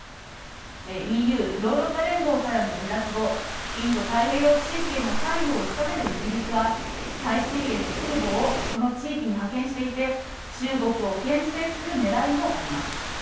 ＥＵ・ヨーロッパ連合からの離脱後、インド太平洋地域への関与を深めるイギリスは、最新鋭の空母をこの地域に派遣していて、中国をけん制するねらいもあります。